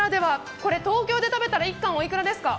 これ東京で食べたら１貫おいくらですか？